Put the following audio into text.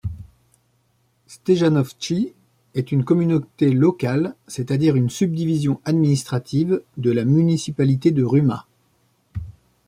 Stejanovci est une communauté locale, c'est-à-dire une subdivision administrative, de la municipalité de Ruma.